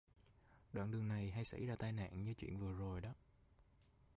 Đoạn đường này hay xảy ra tai nạn như chuyện vừa rồi đó